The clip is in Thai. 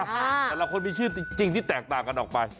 แต่ละคนมีชื่อจริงที่แตกต่างกันออกไป